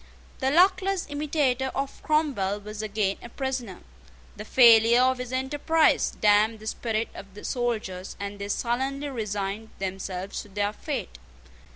The luckless imitator of Cromwell was again a prisoner. The failure of his enterprise damped the spirit of the soldiers; and they sullenly resigned themselves to their fate.